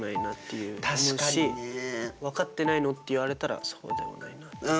そう思うし分かってないのっていわれたらそうでもないなっていう。